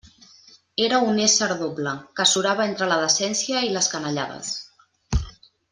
Era un ésser doble, que surava entre la decència i les canallades.